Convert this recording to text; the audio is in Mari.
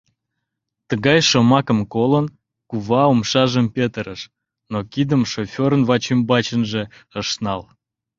Тыгай шомакым колын, кува умшажым петырыш, но кидым шоферын вачӱмбачынже ыш нал.